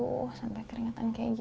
tuh sampai keringetan kayak gini